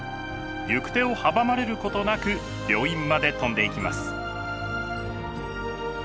行く手を阻まれることなく病院まで飛んでいきます。